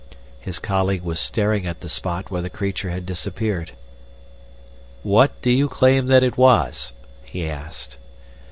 His colleague was staring at the spot where the creature had disappeared. "What do you claim that it was?" he asked.